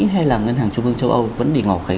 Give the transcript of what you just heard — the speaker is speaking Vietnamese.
hay là ngân hàng trung ương châu âu vẫn để ngỏ khấy